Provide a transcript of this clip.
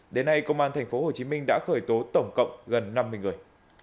đến nay công an tp hcm đã khởi tố tổng cộng gần năm mươi người